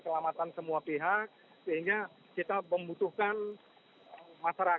dan saya juga sudah menerima informasi dari wadid krimumpolda metro jaya